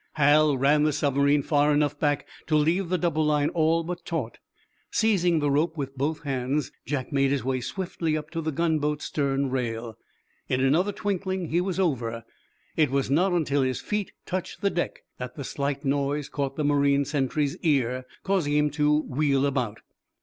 Hal ran the submarine far enough back to leave the double line all but taut. Seizing the rope with both hands, Jack made his way swiftly up to the gunboat's stern rail. In another twinkling he was over. It was not until his feet touched the deck that the slight noise caught the marine sentry's ear, causing him to wheel about.